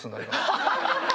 ハハハハ！